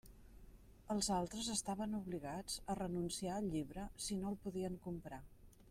Els altres estaven obligats a renunciar al llibre si no el podien comprar.